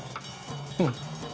うん。